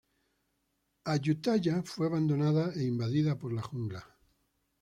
Ayutthaya fue abandonada e invadida por la jungla.